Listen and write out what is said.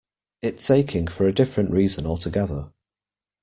It's aching for a different reason altogether.